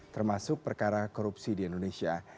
termasuk perkara korupsi di indonesia